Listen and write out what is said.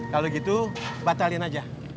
kalau gitu batalin aja